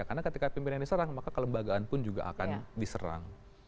karena ketika pimpinan diserang maka kelembagaan pun juga akan diserang